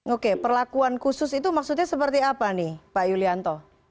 oke perlakuan khusus itu maksudnya seperti apa nih pak yulianto